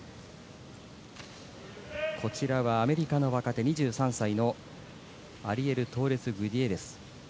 こちらはアメリカの若手２３歳のアリエル・トーレス・グディエレス。